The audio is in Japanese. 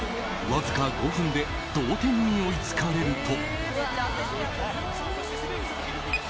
わずか５分で同点に追いつかれると。